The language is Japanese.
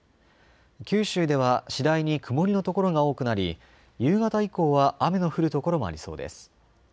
九州では次第に曇りの所が多くなり、夕方以降は雨の降る所もありそうです。